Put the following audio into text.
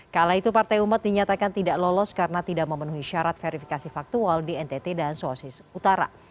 kala itu partai umat dinyatakan tidak lolos karena tidak memenuhi syarat verifikasi faktual di ntt dan sulawesi utara